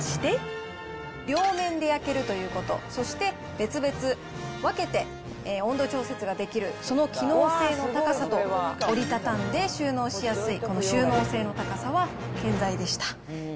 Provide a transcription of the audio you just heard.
両面で焼けるということ、そして別々、分けて温度調節ができるその機能性の高さと、折り畳んで収納しやすい、この収納性の高さは健在でした。